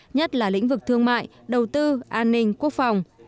nhất là lĩnh vực thương mại đầu tư an ninh quốc phòng